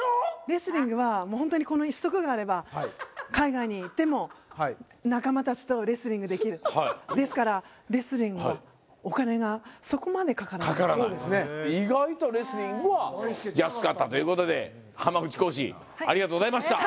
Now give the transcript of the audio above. レスリングはもうホントにこの１足があれば海外に行っても仲間たちとレスリングできるですからレスリングはかからない意外とレスリングは安かったということで浜口講師ありがとうございました